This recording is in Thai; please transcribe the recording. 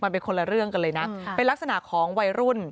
มันเป็นคนละเรื่องกันเลยนะเป็นลักษณะของวัยรุ่น